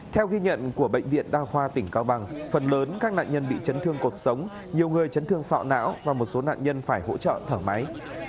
theo ghi nhận của bệnh viện đa khoa tỉnh cao bằng phần lớn các nạn nhân bị chấn thương cuộc sống nhiều người chấn thương sọ não và một số nạn nhân phải hỗ trợ thở máy